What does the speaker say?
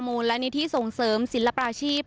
มูลนิธิส่งเสริมศิลปาชีพ